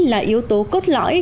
là yếu tố cốt lõi